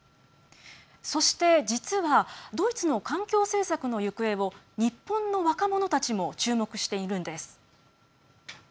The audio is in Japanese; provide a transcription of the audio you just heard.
そして実はドイツの環境政策の行方を日本の若者たちも注目しているんです。